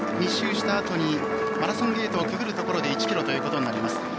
２周したあとにマラソンゲートをくぐるところで１キロとなります。